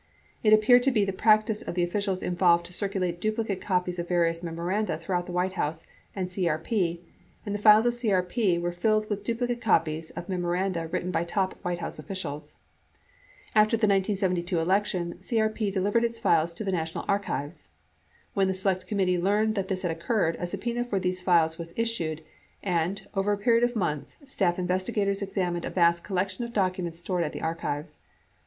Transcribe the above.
It appeared to be the practice of the officials involved to circulate dupli cate copies of various memoranda throughout the White House and CEP and the files of CEP were filled with duplicate copies of memo 9 A report on the computer technology used appears In Chapter 10, infra. XXXE randa written by top White House officials. After the 1972 election, CEP delivered its files to the National Archives. When the Select Committee learned this had occurred, a subpena for these files was issued and, over a period of months, staff investigators examined a vast collection of documents stored at the Archives.